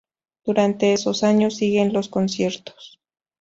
Durante esos años siguen los conciertos.